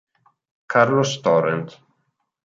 Carlos Torrent